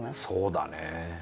そうだね。